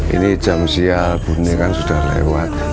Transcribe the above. ini jam sial bune kan sudah lewat